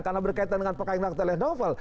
karena berkaitan dengan perkainan aktual yang novel